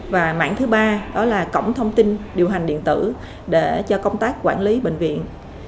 và mảng thứ ba đó là cổng thông tin điều hành điện tử để cho công tác quản lý bệnh viện